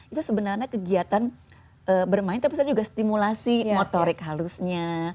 itu sebenarnya kegiatan bermain tapi saya juga stimulasi motorik halusnya